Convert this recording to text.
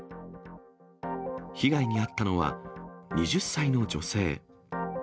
被害に遭ったのは、２０歳の女性。